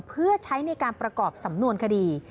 เพื่อใช้ในการประกอบสำนวนคดี